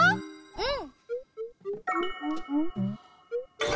うん。